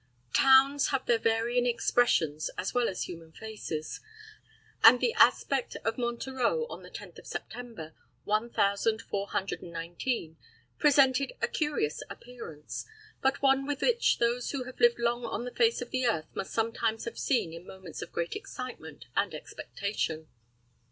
Towns have their varying expressions as well as human faces; and the aspect of Monterreau, on the tenth of September, one thousand four hundred and nineteen, presented a curious appearance, but one which those who have lived long on the face of the earth must sometimes have seen in moments of great excitement and expectation.